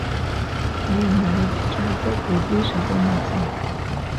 Mais une maladie cardiaque l’oblige à renoncer.